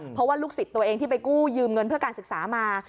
เพราะว่าลูกศิษย์ตัวเองที่ไปกู้ยืมเงินเพื่อการศึกษามา